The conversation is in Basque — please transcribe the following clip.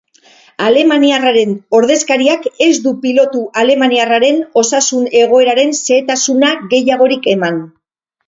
Alemaniarraren ordezkariak ez du pilotu alemaniarraren osasun egoeraren xehetasuna gehiagorik eman.